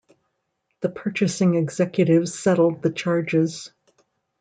The purchasing executives settled the charges.